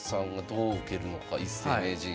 一世名人。